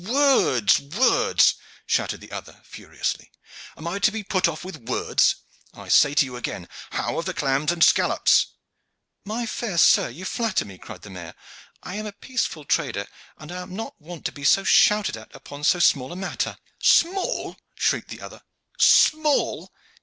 "Words, words!" shouted the other furiously. "Am I to be put off with words? I say to you again, how of the clams and scallops?" "My fair sir, you flatter me," cried the mayor. "I am a peaceful trader, and I am not wont to be so shouted at upon so small a matter." "Small!" shrieked the other. "Small!